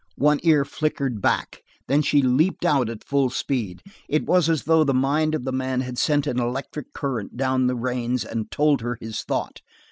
One ear flickered back, then she leaped out at full speed. It was as though the mind of the man had sent an electric current down the reins and told her his thought.